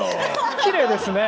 きれいですね！